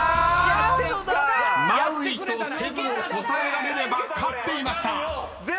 ［マウイとセブを答えられれば勝っていました！］